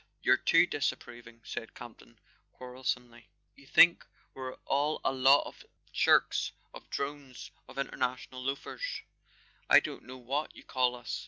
You're too disapproving," said Campton quarrelsomely. "You think we're all a lot of shirks, of drones, of international loafers—I don't know what you call us.